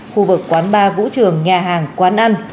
khu vực quán bar vũ trường nhà hàng quán ăn